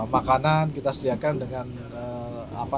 makanan kita sediakan dengan apa